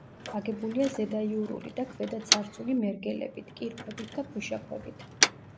აგებულია ზედაიურული და ქვედაცარცული მერგელებით, კირქვებით და ქვიშაქვებით.